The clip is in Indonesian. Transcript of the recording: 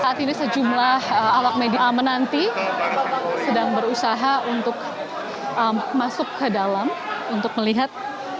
saat ini sejumlah awak media menanti sedang berusaha untuk masuk ke dalam untuk melihat